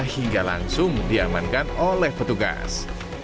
hingga langsung diamankan oleh petugas